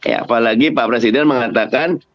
apalagi pak presiden mengatakan